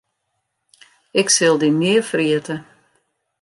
Ik sil dy nea ferjitte.